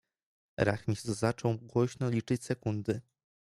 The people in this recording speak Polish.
"Rachmistrz zaczął głośno liczyć sekundy."